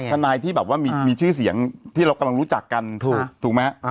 ทนายที่แบบว่ามีชื่อเสียงที่เรากำลังรู้จักกันถูกไหมฮะ